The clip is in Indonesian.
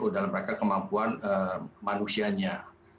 dalam rangka kemampuan manusianya